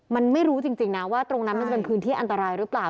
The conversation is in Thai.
มันไม่รู้จริงนะว่าตรงนั้นมันจะเป็นพื้นที่อันตรายหรือเปล่า